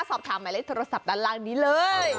สอบถามใหม่ในโทรศัพท์ดังล่างนี้เลย